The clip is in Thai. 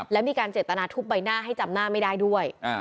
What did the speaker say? และมีการเจตนาทุบใบหน้าให้จำหน้าไม่ได้ด้วย